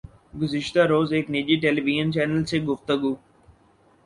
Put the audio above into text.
گزشتہ روز ایک نجی ٹیلی وژن چینل سے گفتگو